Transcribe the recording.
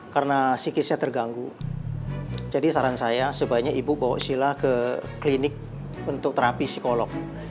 karena psikisnya terganggu jadi saran saya sebaiknya ibu bawa sila ke klinik untuk terapi psikolog